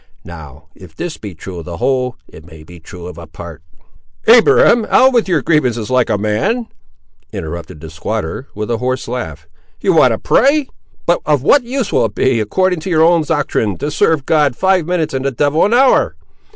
Now, if this be true of the whole, it may be true of a part." "Abiram, out with your grievances like a man," interrupted the squatter, with a hoarse laugh. "You want to pray! But of what use will it be, according to your own doctrine, to serve God five minutes and the devil an hour?